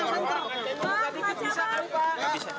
syafruddin yang bebas